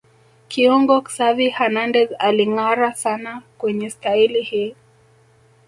Kiungo Xavi Hernandez alingâara sana kwenye staili hii